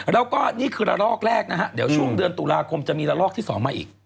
แล้วก็นี่คือระลอกแรกนะฮะเดี๋ยวช่วงเดือนตุลาคมจะมีละลอกที่๒มาอีก